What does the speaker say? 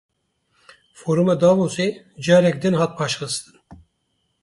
Foruma Davosê careke din hat paşxistin.